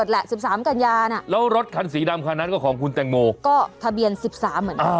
แล้วรถคันสีดำคันนั้นก็ของคุณแต่งโมก็ทะเบียนสิบสามอ่า